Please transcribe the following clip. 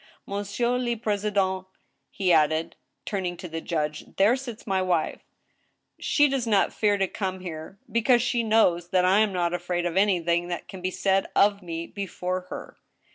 Monsieur le president,'* he added, turning to the judge, "there sits my wife ; she does not fear to come here, because she knows that I am not afraid of anything that can be said of me before her.